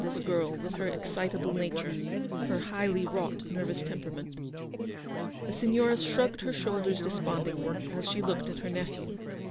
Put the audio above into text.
163 this girl, with her excitable nature, her highly wrought nervous temperament ? The Signora shrugged her shoulders despond ingly, as she looked at her nephew.